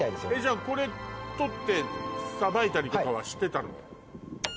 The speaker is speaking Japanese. じゃあこれ取ってさばいたりとかはしてたの？